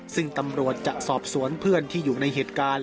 ซึ่งตำรวจจะสอบสวนเพื่อนที่อยู่ในเหตุการณ์